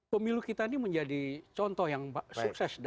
pemilu kita ini menjadi contoh yang sukses